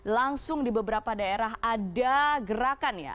langsung di beberapa daerah ada gerakan ya